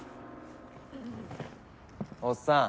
おっさん